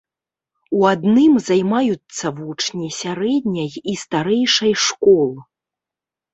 У адным займаюцца вучні сярэдняй і старэйшай школ.